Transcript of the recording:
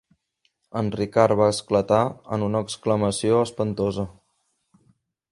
En Ricard va esclatar en una exclamació espantosa.